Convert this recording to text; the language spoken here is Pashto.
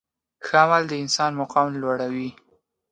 ښه عمل د انسان مقام لوړوي.